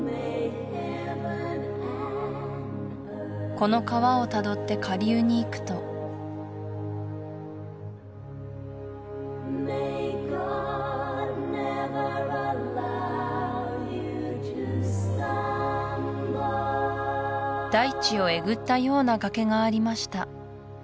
この川をたどって下流に行くと大地をえぐったような崖がありました